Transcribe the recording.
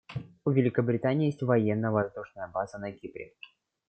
У Великобритании есть военно-воздушная база на Кипре.